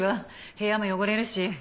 部屋も汚れるし。